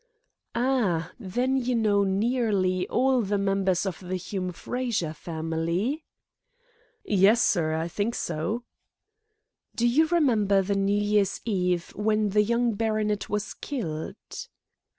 "Ah, then you know nearly all the members of the Hume Frazer family?" "Yes, sir. I think so." "Do you remember the New Year's Eve when the young baronet was killed?"